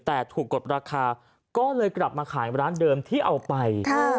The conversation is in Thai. แต่ถูกกดราคาก็เลยกลับมาขายร้านเดิมที่เอาไป